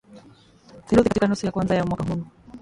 theluthi katika nusu ya kwanza ya mwaka huu